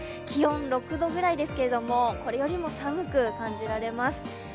気温６度ぐらいですけど、これよりも寒く感じられます。